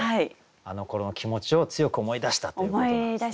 あのころの気持ちを強く思い出したっていうことなんですね。